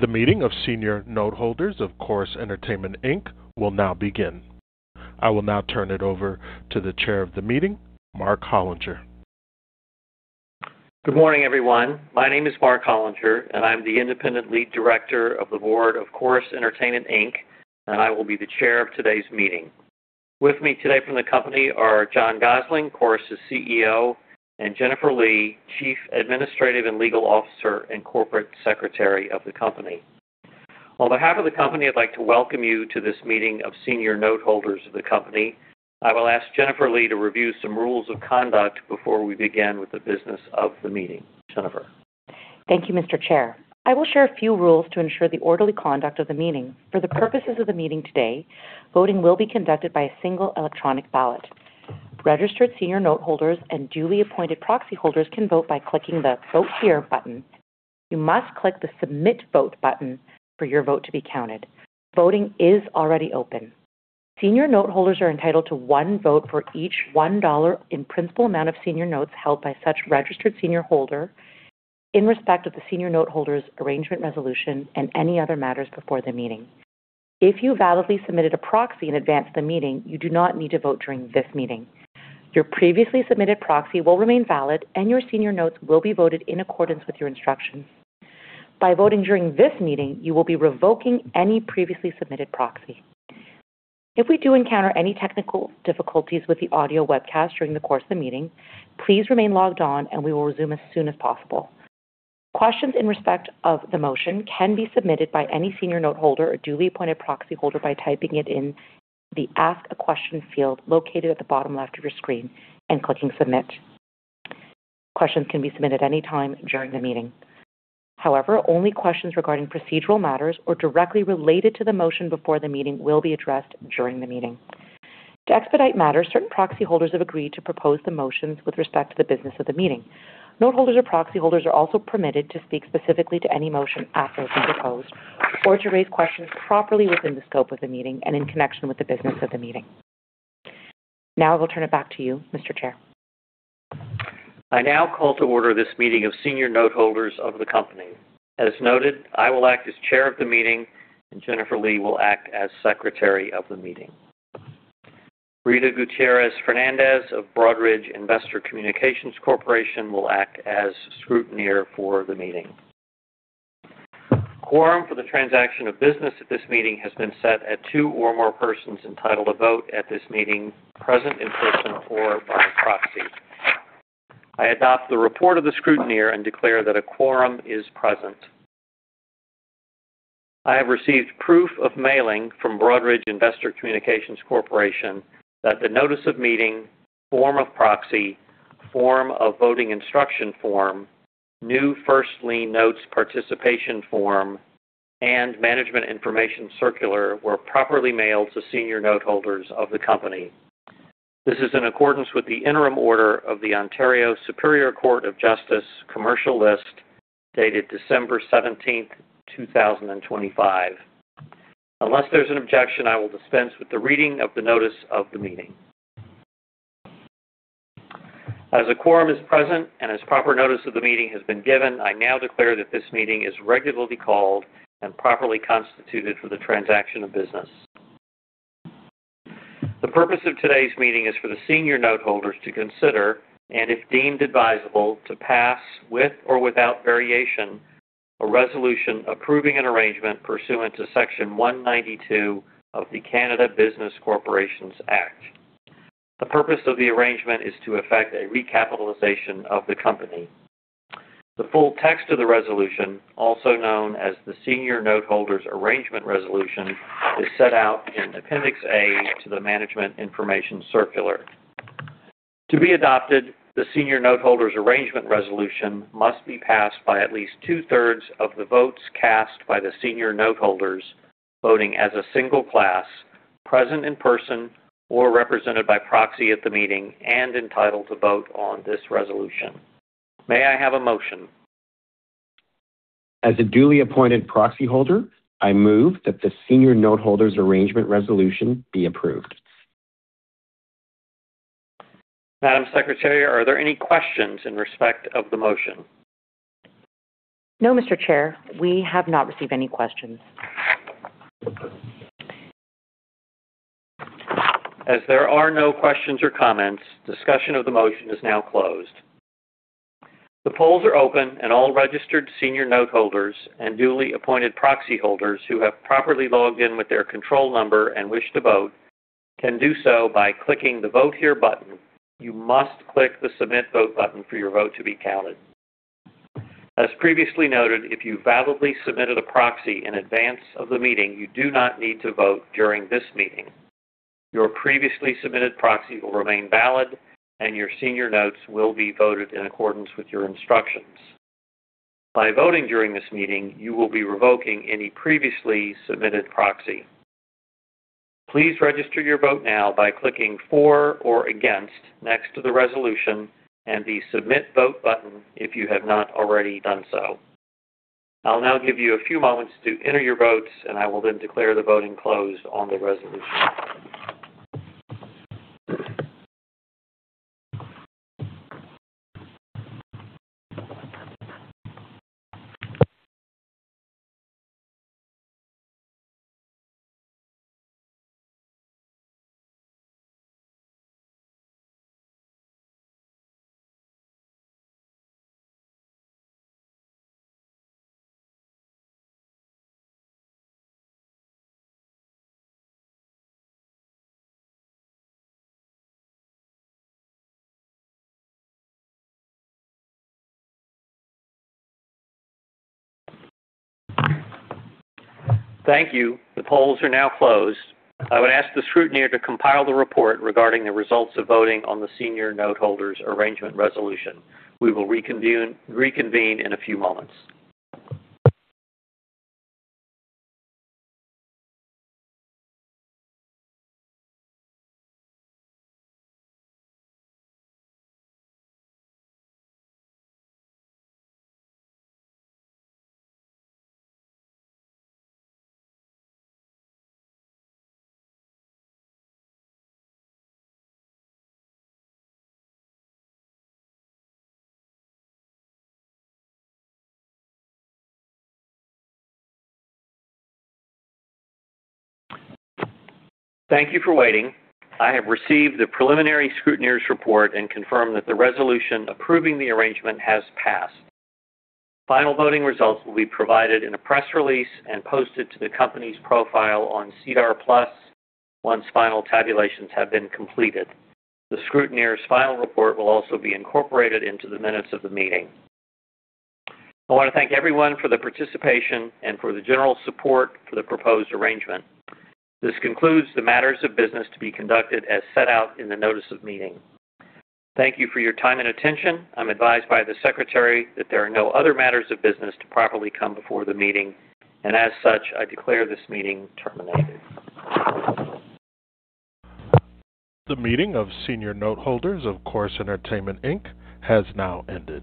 The meeting of senior noteholders of Corus Entertainment Inc. will now begin. I will now turn it over to the chair of the meeting, Mark Hollinger. Good morning, everyone. My name is Mark Hollinger, and I'm the independent lead director of the board of Corus Entertainment Inc., and I will be the chair of today's meeting. With me today from the company are John Gossling, Corus's CEO, and Jennifer Lee, Chief Administrative and Legal Officer and Corporate Secretary of the company. On behalf of the company, I'd like to welcome you to this meeting of senior noteholders of the company. I will ask Jennifer Lee to review some rules of conduct before we begin with the business of the meeting. Jennifer. Thank you, Mr. Chair. I will share a few rules to ensure the orderly conduct of the meeting. For the purposes of the meeting today, voting will be conducted by a single electronic ballot. Registered senior noteholders and duly appointed proxy holders can vote by clicking the Vote Here button. You must click the Submit Vote button for your vote to be counted. Voting is already open. Senior noteholders are entitled to one vote for each 1 dollar in principal amount of Senior Notes held by such registered senior noteholder in respect of the Senior Noteholders Arrangement Resolution, and any other matters before the meeting. If you validly submitted a proxy in advance of the meeting, you do not need to vote during this meeting. Your previously submitted proxy will remain valid, and your Senior Notes will be voted in accordance with your instructions. By voting during this meeting, you will be revoking any previously submitted proxy. If we do encounter any technical difficulties with the audio webcast during the course of the meeting, please remain logged on, and we will resume as soon as possible. Questions in respect of the motion can be submitted by any senior noteholder or duly appointed proxy holder by typing it in the Ask a Question field, located at the bottom left of your screen, and clicking Submit. Questions can be submitted any time during the meeting. However, only questions regarding procedural matters or directly related to the motion before the meeting will be addressed during the meeting. To expedite matters, certain proxy holders have agreed to propose the motions with respect to the business of the meeting. Noteholders or proxy holders are also permitted to speak specifically to any motion after it's been proposed or to raise questions properly within the scope of the meeting and in connection with the business of the meeting. Now I will turn it back to you, Mr. Chair. I now call to order this meeting of senior noteholders of the company. As noted, I will act as chair of the meeting, and Jennifer Lee will act as secretary of the meeting. Rita Gutierrez Fernandez of Broadridge Investor Communications Corporation will act as scrutineer for the meeting. Quorum for the transaction of business at this meeting has been set at two or more persons entitled to vote at this meeting, present in person or by proxy. I adopt the report of the scrutineer and declare that a quorum is present. I have received proof of mailing from Broadridge Investor Communications Corporation that the Notice of Meeting, Form of Proxy, Form of Voting Instruction Form, New First Lien Notes, Participation Form, and Management Information Circular were properly mailed to senior noteholders of the company. This is in accordance with the Interim Order of the Ontario Superior Court of Justice (Commercial List), dated December 17th, 2025. Unless there's an objection, I will dispense with the reading of the notice of the meeting. As a quorum is present and as proper notice of the meeting has been given, I now declare that this meeting is regularly called and properly constituted for the transaction of business. The purpose of today's meeting is for the senior noteholders to consider, and if deemed advisable, to pass, with or without variation, a resolution approving an arrangement pursuant to Section 192 of the Canada Business Corporations Act. The purpose of the arrangement is to effect a Recapitalization of the company. The full text of the resolution, also known as the Senior Noteholders Arrangement Resolution, is set out in Appendix A to the Management Information Circular. To be adopted, the Senior Noteholders Arrangement Resolution must be passed by at least two-thirds of the votes cast by the Senior Noteholders, voting as a single class, present in person or represented by proxy at the meeting and entitled to vote on this resolution. May I have a motion? As a duly appointed proxy holder, I move that the Senior Noteholders Arrangement Resolution be approved. Madam Secretary, are there any questions in respect of the motion? No, Mr. Chair, we have not received any questions. As there are no questions or comments, discussion of the motion is now closed. The polls are open, and all registered senior noteholders and duly appointed proxy holders who have properly logged in with their control number and wish to vote, can do so by clicking the Vote Here button. You must click the Submit Vote button for your vote to be counted. As previously noted, if you validly submitted a proxy in advance of the meeting, you do not need to vote during this meeting. Your previously submitted proxy will remain valid, and your senior notes will be voted in accordance with your instructions. By voting during this meeting, you will be revoking any previously submitted proxy. Please register your vote now by clicking For or Against next to the resolution and the Submit Vote button if you have not already done so. I'll now give you a few moments to enter your votes, and I will then declare the voting closed on the resolution. Thank you. The polls are now closed. I would ask the scrutineer to compile the report regarding the results of voting on the Senior Noteholders Arrangement Resolution. We will reconvene in a few moments. Thank you for waiting. I have received the preliminary scrutineer's report and confirm that the resolution approving the arrangement has passed. Final voting results will be provided in a press release and posted to the company's profile on SEDAR+ once final tabulations have been completed. The scrutineer's final report will also be incorporated into the minutes of the meeting. I want to thank everyone for the participation and for the general support for the proposed arrangement. This concludes the matters of business to be conducted as set out in the Notice of Meeting. Thank you for your time and attention. I'm advised by the secretary that there are no other matters of business to properly come before the meeting, and as such, I declare this meeting terminated. The meeting of senior noteholders of Corus Entertainment Inc. has now ended.